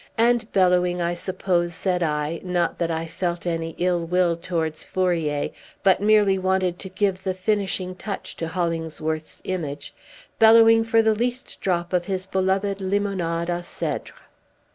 "And bellowing, I suppose," said I, not that I felt any ill will towards Fourier, but merely wanted to give the finishing touch to Hollingsworth's image, "bellowing for the least drop of his beloved limonade a cedre!"